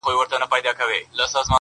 o گاهي ادې لاندي، گاهي بابا٫